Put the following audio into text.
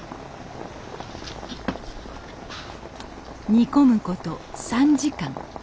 煮込むこと３時間。